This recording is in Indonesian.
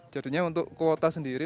jadinya untuk kuota sendiri